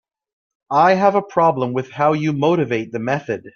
I have a problem with how you motivate the method.